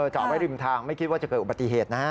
จอดไว้ริมทางไม่คิดว่าจะเกิดอุบัติเหตุนะฮะ